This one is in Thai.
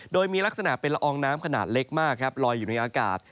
โดยมีลักษณะเป็นละอองน้ำขนาดเล็กมากครับลอยอยู่ในอากาศ